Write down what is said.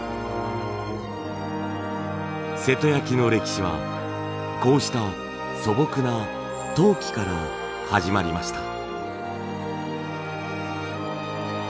瀬戸焼の歴史はこうした素朴な陶器から始まりました。